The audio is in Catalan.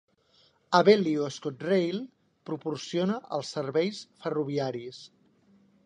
Abellio ScotRail proporciona els serveis ferroviaris.